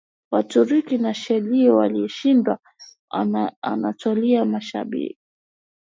Waturuki wa Seljuk walishinda Anatolia ya Mashariki